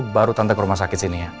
baru tante ke rumah sakit sini ya